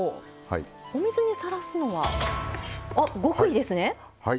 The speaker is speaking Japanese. お水にさらすのは極意ですね。